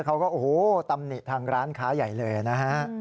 เขาก็โอ้โหตำหนิทางร้านค้าใหญ่เลยนะฮะ